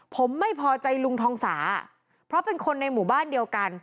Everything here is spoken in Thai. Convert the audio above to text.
ผมไม่พอใจลุงทองสาเพราะเป็นคนในหมู่บ้านเดียวกัน